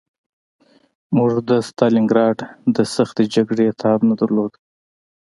موږ د ستالینګراډ د سختې جګړې تاب نه درلود